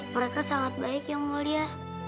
mereka sangat baik yang mulia